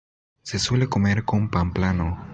Se suele comer con pan plano.